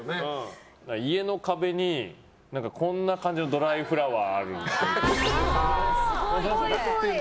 家の壁に、こんな感じのドライフラワーあるっぽい。